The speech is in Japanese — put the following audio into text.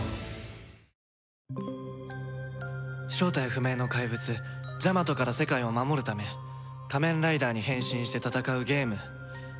正体不明の怪物ジャマトから世界を守るため仮面ライダーに変身して戦うゲームデザイアグランプリ